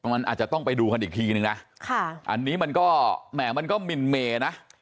มันอาจจะต้องไปดูกันอีกทีนึงนะอันนี้มันก็แหมมันก็มินเมนะ